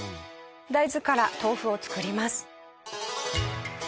大豆から豆腐を造ります。